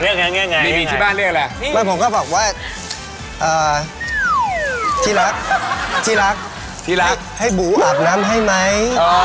ยังไงมีที่บ้านเรียกอะไรไม่ผมก็บอกว่าที่รักที่รักที่รักให้บูอาบน้ำให้ไหม